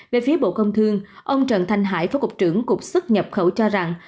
về phía bộ công thương ông trần thanh hải phó cục trưởng cục xuất nhập khẩu cho rằng